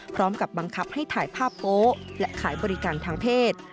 พร้อมกับบังคับให้ถ่ายภาพโป๊ะและขายบริการทางเพศ